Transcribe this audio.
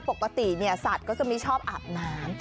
ปกติสัตว์ก็จะไม่ชอบอาบน้ำ